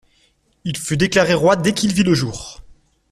Il fut déclaré roi dès qu’il vit le jour.